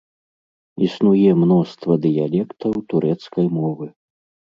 Існуе мноства дыялектаў турэцкай мовы.